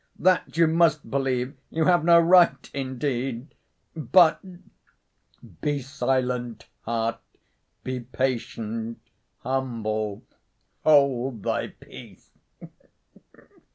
That you must believe you have no right indeed ... but— Be silent, heart, Be patient, humble, hold thy peace.